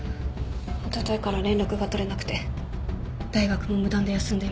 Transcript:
おとといから連絡が取れなくて大学も無断で休んでいます。